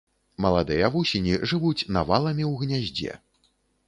Маладыя вусені жывуць наваламі ў гняздзе.